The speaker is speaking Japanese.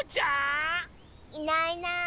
いないいない。